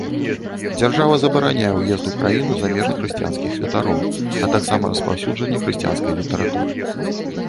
Дзяржава забараняе ўезд у краіну замежных хрысціянскіх святароў, а таксама распаўсюджанне хрысціянскай літаратуры.